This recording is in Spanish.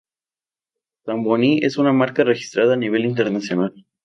Zamboni es una marca registrada a nivel internacional.